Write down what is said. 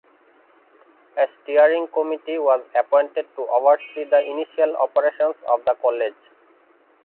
A steering committee was appointed to oversee the initial operations of the College.